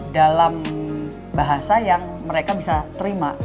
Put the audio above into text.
dalam bahasa yang mereka bisa terima